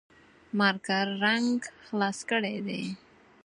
مارکر رنګ خلاص کړي دي